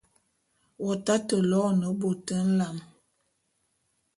W'atate loene bôt nlam.